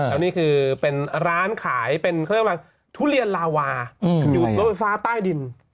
แล้วนี่คือเป็นร้านขายทุเรียนลาวาอยู่รถไฟฟ้าใต้ดิน